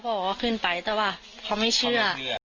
บอกว่าขึ้นไปแต่ว่าเขาไม่เชื่อ